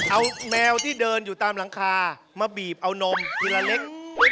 เอาแมวที่เดินอยู่ตามหลังคามาบีบเอานมทีละเล็ก